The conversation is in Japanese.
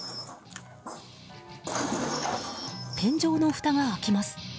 天井のふたが開きます。